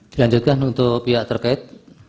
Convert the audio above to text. dilanjutkan untuk pihak terkait